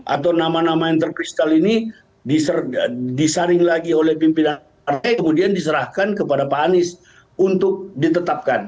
atau nama nama yang terkristal ini disaring lagi oleh pimpinan partai kemudian diserahkan kepada pak anies untuk ditetapkan